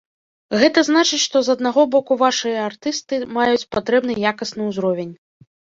Гэта значыць, што з аднаго боку вашыя артысты маюць патрэбны якасны ўзровень.